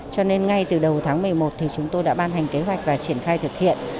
cho nên ngay từ đầu tháng một mươi một thì chúng tôi đã ban hành kế hoạch và triển khai thực hiện